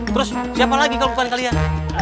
terus siapa lagi kalau bukan kalian